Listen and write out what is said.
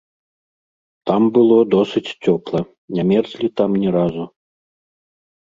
Там было досыць цёпла, не мерзлі там ні разу.